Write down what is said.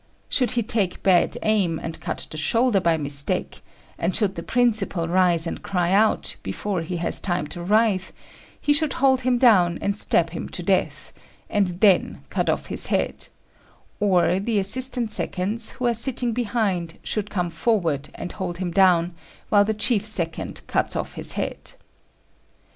Should he take bad aim and cut the shoulder by mistake, and should the principal rise and cry out, before he has time to writhe, he should hold him down and stab him to death, and then cut off his head, or the assistant seconds, who are sitting behind, should come forward and hold him down, while the chief second cuts off his head.